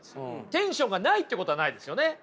テンションがないということはないですよね。